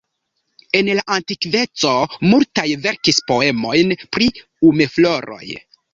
En la antikveco multaj verkis poemojn pri umefloroj.